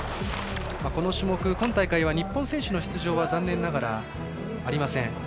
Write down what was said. この種目、今大会は日本選手の出場は残念ながらありません。